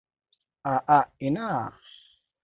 A'a ina!